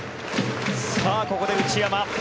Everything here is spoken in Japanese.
ここで内山。